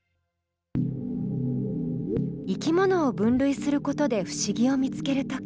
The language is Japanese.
生き物を分類することで不思議を見つける時。